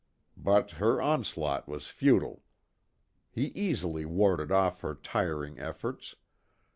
But, her onslaught was futile. He easily warded off her tiring efforts.